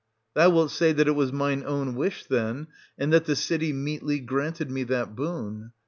Thou wilt say that it was mine own wish then, and that the city meetly granted me that boon.